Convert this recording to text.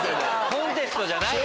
コンテストじゃないわ！